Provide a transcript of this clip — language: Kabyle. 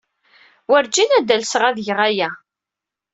Wurǧin ad alseɣ ad geɣ aya!